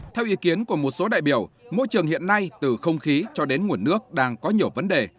theo ý kiến của một số đại biểu môi trường hiện nay từ không khí cho đến nguồn nước đang có nhiều vấn đề